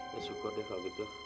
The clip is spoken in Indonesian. ya syukur deh kalau gitu